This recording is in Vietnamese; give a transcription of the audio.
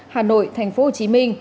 hà nội tp hcm